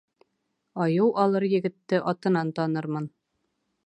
Айыу алыр егетте атынан танырмын